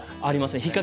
ありますね。